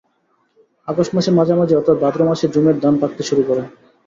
August মাসের মাঝামাঝি অর্থাৎ ভাদ্র মাসে জুমের ধান পাকতে শুরু করে।